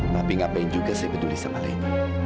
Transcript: tapi ngapain juga saya peduli sama lenny